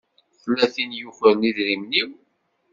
Tella tin i yukren idrimen-iw.